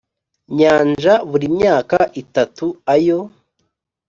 nyanja Buri myaka itatu ayo